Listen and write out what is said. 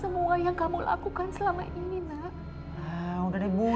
dan bekalkan tuh dan